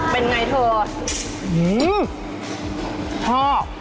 เป็นอย่างไรเถอะ